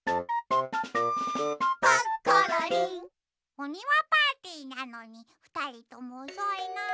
おにわパーティーなのにふたりともおそいな。